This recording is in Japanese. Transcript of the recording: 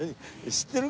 知ってる？